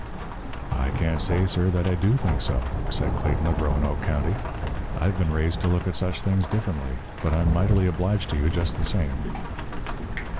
"I can't say, sir, that I do think so," said Clayton of Roanoke County. "I've been raised to look at such things differently. But I'm mightily obliged to you, just the same."